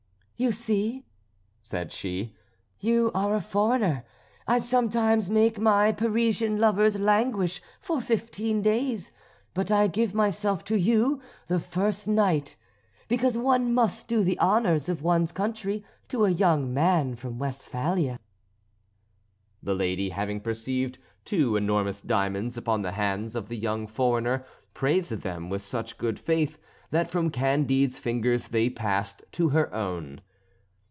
"You see," said she, "you are a foreigner. I sometimes make my Parisian lovers languish for fifteen days, but I give myself to you the first night because one must do the honours of one's country to a young man from Westphalia." The lady having perceived two enormous diamonds upon the hands of the young foreigner praised them with such good faith that from Candide's fingers they passed to her own.